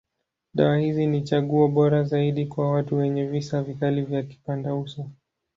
Dawa hizi ni chaguo bora zaidi kwa watu wenye visa vikali ya kipandauso.